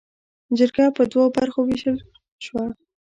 جرګه پر دوو برخو ووېشل شوه.